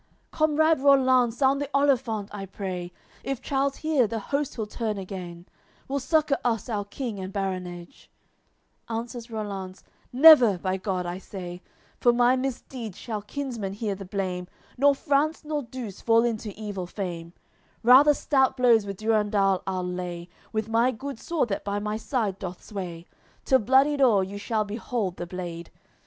AOI. LXXXIV "Comrade Rollanz, sound the olifant, I pray; If Charles hear, the host he'll turn again; Will succour us our King and baronage." Answers Rollanz: "Never, by God, I say, For my misdeed shall kinsmen hear the blame, Nor France the Douce fall into evil fame! Rather stout blows with Durendal I'll lay, With my good sword that by my side doth sway; Till bloodied o'er you shall behold the blade.